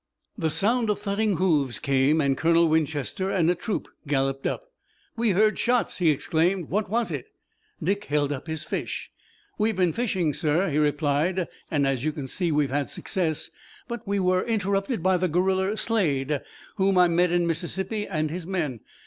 The sound of thudding hoofs came, and Colonel Winchester and a troop galloped up. "We heard shots!" he exclaimed. "What was it?" Dick held up his fish. "We've been fishing, sir," he replied, "and as you can see, we've had success, but we were interrupted by the guerrilla Slade, whom I met in Mississippi, and his men.